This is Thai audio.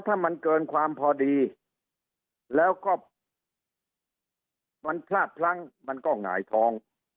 ถ้ามันเกินความพอดีแล้วก็มันพลาดพลั้งมันก็หงายท้อง